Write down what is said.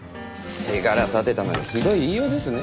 手柄立てたのにひどい言いようですね。